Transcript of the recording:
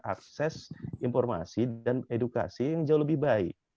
akses informasi dan edukasi yang jauh lebih baik